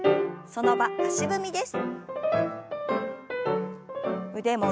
その場足踏みです。